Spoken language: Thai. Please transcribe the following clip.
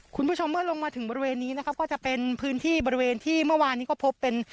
คุณผู้ชมเมื่อลงมาถึงบริเวณนี้นะครับก็จะเป็นพื้นที่บริเวณที่เมื่อวานนี้ก็พบเป็น